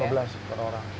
dua belas per orang